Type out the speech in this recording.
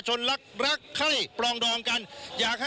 ชูเว็ดตีแสดหน้า